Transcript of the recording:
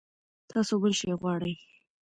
تاسو بل شی غواړئ؟